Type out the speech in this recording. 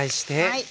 はい。